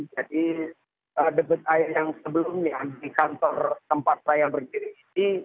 jadi deket air yang sebelumnya di kantor tempat saya berdiri ini